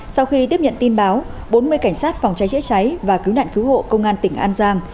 sau khi tiếp nhận tin báo bốn mươi cảnh sát phòng cháy chữa cháy và cứu nạn cứu hộ công an tỉnh an giang